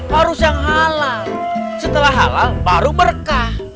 harus yang halal setelah halal baru berkah